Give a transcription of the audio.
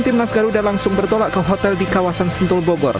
tim nas garuda langsung bertolak ke hotel di kawasan sentul bogor